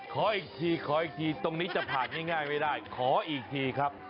ขออีกทีขออีกทีตรงนี้จะผ่านง่ายไม่ได้ขออีกทีครับ